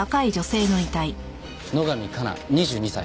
野上加奈２２歳。